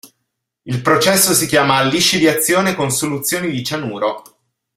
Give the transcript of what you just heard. Il processo si chiama lisciviazione con soluzioni di cianuro.